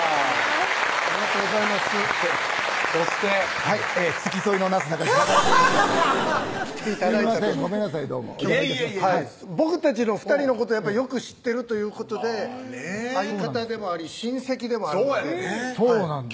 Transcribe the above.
ありがとうございますそしてはい付き添いのなすなかにし中西でございますすいませんごめんなさいどうもいえいえいえ僕たちの２人のことをよく知ってるということで相方でもあり親戚でもあるんでそうやねんねそうなんですよ